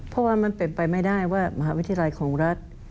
เพราะว่ามันเป็นไปไม่ได้ว่ามหาวิทยาลัยของรัฐ